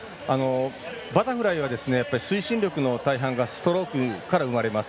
バタフライは推進力の大半がストロークから生まれます。